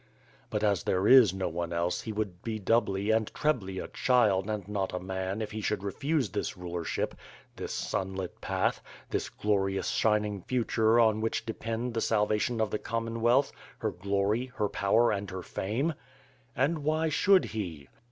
But as there is no one else he would be doubly and trebly a child and not a man if he should refuse this rulership, this sunlit path, this glorious shining future on which depend the salvation of the Com monwealth, her glory, her power and her fame! And why should he?